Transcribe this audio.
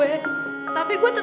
eh sakit sekali